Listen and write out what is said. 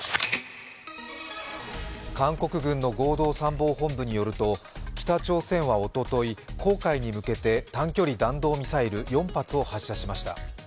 韓国軍の合同参謀本部によると、北朝鮮はおととい黄海に向けて短距離弾道ミサイル４発を発射しました。